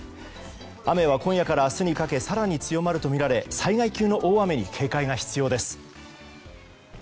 雨は今夜から明日にかけ更に強まるとみられ災害級の大雨に警戒が必要です。